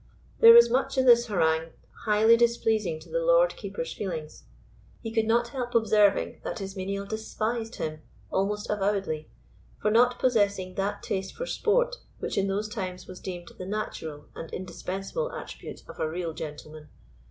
There was much in this harangue highly displeasing to the Lord Keeper's feelings; he could not help observing that his menial despised him almost avowedly for not possessing that taste for sport which in those times was deemed the natural and indispensable attribute of a real gentleman.